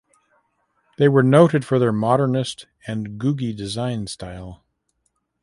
They were noted for their Modernist and Googie design style.